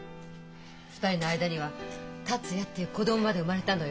２人の間には達也っていう子供まで生まれたのよ。